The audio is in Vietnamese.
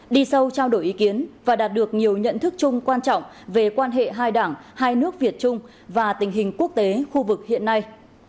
đi sâu trao đổi ý kiến và đạt được nhiều nhận thức chung quan trọng về quan hệ hai đảng hai nước việt trung và tình hình quốc tế khu vực hiện nay